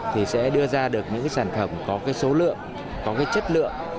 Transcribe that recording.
thì sẽ đưa ra được những sản phẩm có số lượng có chất lượng